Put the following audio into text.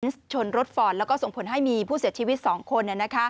ชนรถฟอร์ดแล้วก็ส่งผลให้มีผู้เสียชีวิต๒คน